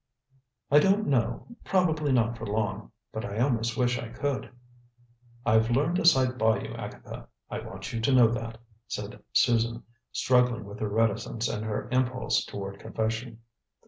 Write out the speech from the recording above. "I don't know; probably not for long. But I almost wish I could." "I've learned a sight by you, Agatha. I want you to know that," said Susan, struggling with her reticence and her impulse toward confession.